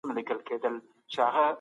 راځئ چي د ټولنيزو پديدو علت پيدا کړو.